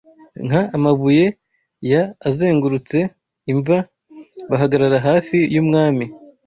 Nka amabuye ya azengurutse imva Bahagarara hafi yumwami